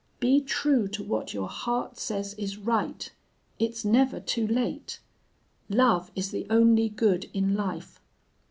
Be true to what your heart says is right! It's never too late! Love is the only good in life!